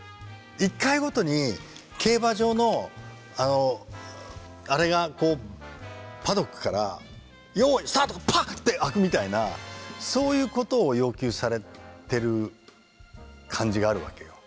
１回ごとに競馬場のあれがパドックから用意スタートパーン！って開くみたいなそういうことを要求されてる感じがあるわけよ。